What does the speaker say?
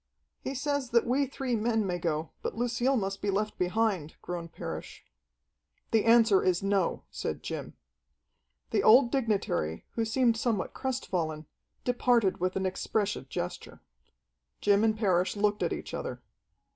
"He says that we three men may go, but Lucille must be left behind," groaned Parrish. "The answer is no," said Jim. The old dignitary, who seemed somewhat crestfallen, departed with an expressive gesture. Jim and Parrish looked at each other.